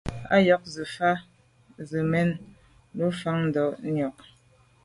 Á yɔ́k gə̀ sɔ̌k ŋká zə̄ mɛ́n lû fáŋ ndá ŋkɔ̀k.